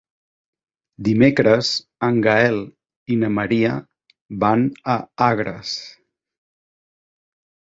Dimecres en Gaël i na Maria van a Agres.